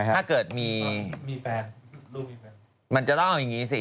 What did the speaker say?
ถ้าเกิดมีแฟนมันจะต้องเอาอย่างนี้สิ